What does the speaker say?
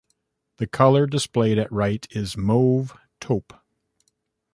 The color displayed at right is mauve taupe.